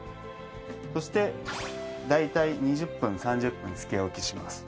そして大体２０分３０分つけ置きします。